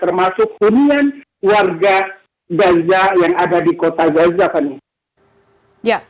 termasuk punian warga gaza yang ada di kota gaza